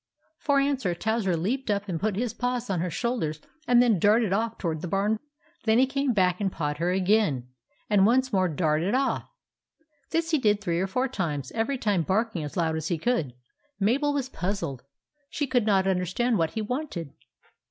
For answer, Towser leaped up and put his paws on her shoulders, and then darted off toward the barn. Then he came back and pawed her again, and once more darted off. This he did three or four times, every time barking as loud as he could. Mabel was puzzled. She could not understand what he wanted.